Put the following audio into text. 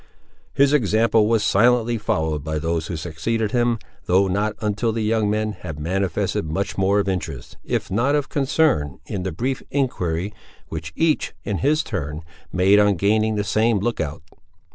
His example was silently followed by those who succeeded him, though not until the young men had manifested much more of interest, if not of concern in the brief enquiry, which each, in his turn, made on gaining the same look out.